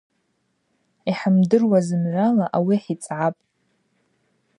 Йхӏымдыруа зымгӏвала ауи хӏицӏгӏапӏ.